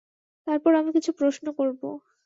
তারপর আমি কিছু প্রশ্ন করব।